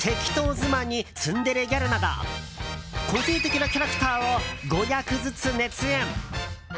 妻にツンデレギャルなど個性的なキャラクターを５役ずつ熱演。